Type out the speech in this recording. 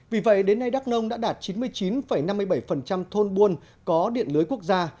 vì vậy đến nay đắk nông đã đạt chín mươi chín năm mươi bảy thôn buôn có điện lưới quốc gia